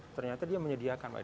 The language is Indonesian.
ternyata dia menyediakan